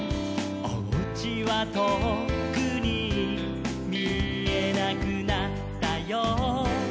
「おうちはとっくにみえなくなったよ」